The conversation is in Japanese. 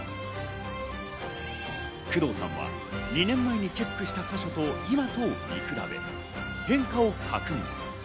工藤さんは、２年前にチェックした箇所と今とを見比べ、変化を確認。